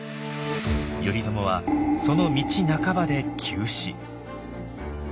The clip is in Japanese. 頼朝はその道半ばで急死。